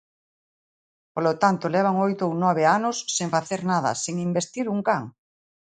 Polo tanto, levan oito ou nove anos sen facer nada, sen investir un can.